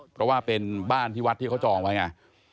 เพราะว่าเป็นบ้านที่วัดที่เขาจองไว้ไง